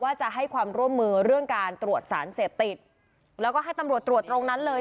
จะให้ความร่วมมือเรื่องการตรวจสารเสพติดแล้วก็ให้ตำรวจตรวจตรงนั้นเลย